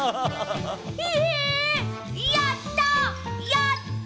やった！